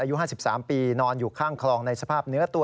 อายุ๕๓ปีนอนอยู่ข้างคลองในสภาพเนื้อตัว